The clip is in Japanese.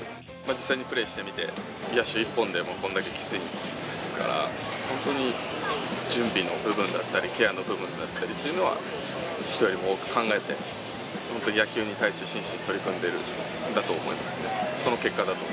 実際にプレーしてみて、野手一本でもこんだけきついですから、本当に準備の部分だったり、ケアの部分だったりというのは、人よりも多く考えて、本当に野球に対して真摯に取り組んでいるんだと思いますね。